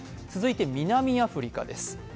続いて南アフリカです。